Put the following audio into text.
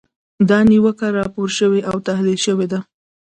دا نیوکه راپور شوې او تحلیل شوې ده.